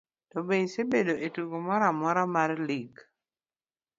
to be isebedo e tugo moro amora mar lig?